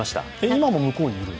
今も向こうにいるの？